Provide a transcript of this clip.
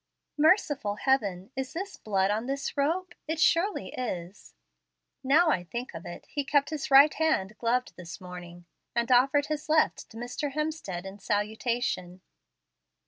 "Merciful heaven! is this blood on this rope? It surely is. Now I think of it, he kept his right hand gloved this morning, and offered his left to Mr. Hemstead in salutation.